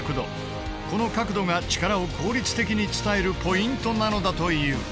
この角度が力を効率的に伝えるポイントなのだという。